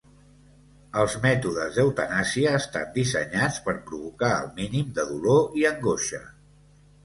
Els mètodes d'eutanàsia estan dissenyats per provocar el mínim de dolor i angoixa.